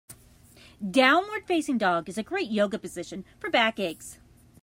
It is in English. Downward facing dog is a great Yoga position for back aches.